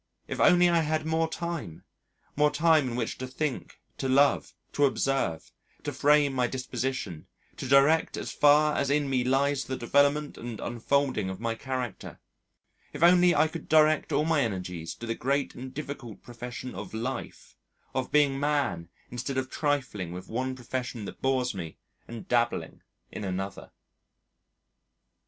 If only I had more time! more time in which to think, to love, to observe, to frame my disposition, to direct as far as in me lies the development and unfolding of my character, if only I could direct all my energies to the great and difficult profession of life, of being man instead of trifling with one profession that bores me and dabbling in another.